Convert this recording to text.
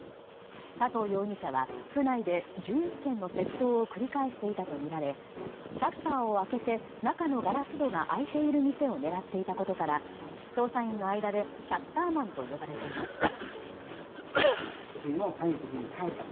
佐藤容疑者は府内で１１件の窃盗を繰り返していたとみられシャッターを開けて中のガラス戸が開いている店を狙っていたことから捜査員の間でシャッターマンと呼ばれていました。